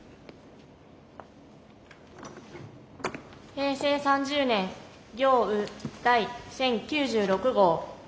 平成３０年行ウ第１０９６号。